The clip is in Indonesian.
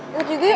ikut juga ya